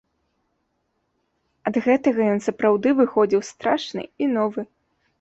Ад гэтага ён сапраўды выходзіў страшны і новы.